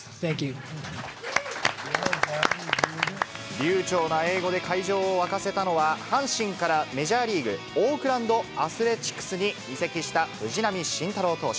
流ちょうな英語で会場を沸かせたのは、阪神からメジャーリーグ・オークランド・アスレチックスに移籍した、藤浪晋太郎投手。